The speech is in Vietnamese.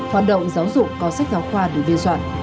hoạt động giáo dục có sách giáo khoa được biên soạn